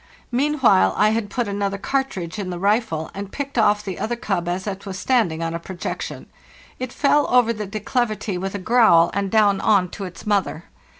Meanwhile I had put another cartridge in the rifle, and picked off the other cub as it was stand ing on a projection. It fell over the declivity with a growl, and down on to its mother.